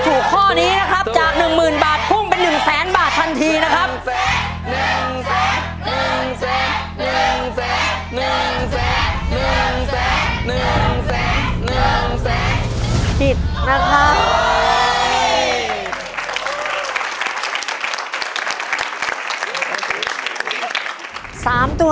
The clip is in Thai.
ถูกค้อนี้นะครับจากหนึ่งหมื่นบาทพุ่งเป็นหนึ่งแสนบาททันทีนะครับ